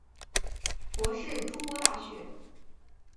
博士筑波大学。